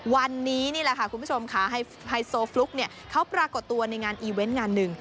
วันนี้นี่แหละค่ะคุณผู้ชมค่ะไฮโซฟลุ๊กเนี่ยเขาปรากฏตัวในงานอีเวนต์งานหนึ่ง